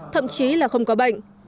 thậm chí là không có bệnh